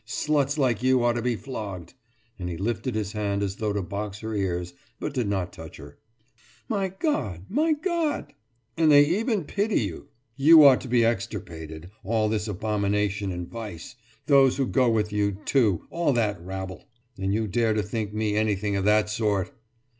Sluts like you ought to be flogged!« And he lifted his hand as though to box her ears, but did not touch her. »My God! My God!« »And they even pity you! You ought to be extirpated, all this abomination and vice! Those who go with you, too all that rabble! And you dare to think me anything of that sort!